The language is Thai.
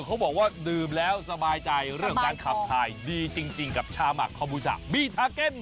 เขาบอกว่าดื่มแล้วสบายใจเรื่องการขับถ่ายดีจริงกับชาหมักคอมบูชะบีทาเก็น